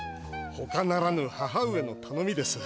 ほかならぬ母上のたのみです。